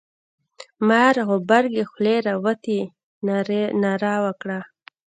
مار غبرگې خولې را وتې ناره وکړه.